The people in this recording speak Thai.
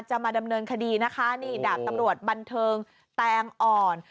มาดำเนินคดีนะคะนี่ดาบตำรวจบันเทิงแตงอ่อน